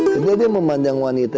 ketika dia memandang wanita